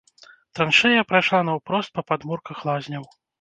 Траншэя прайшла наўпрост па падмурках лазняў.